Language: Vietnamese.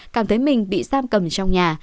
cảm thấy mình bị giam cầm trong nhà